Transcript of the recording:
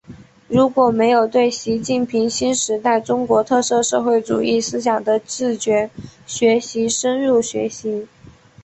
如果没有对习近平新时代中国特色社会主义思想的自觉学习深入学习